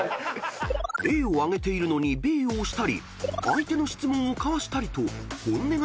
［Ａを挙げているのにＢを推したり相手の質問を交わしたりと本音が読めない３人］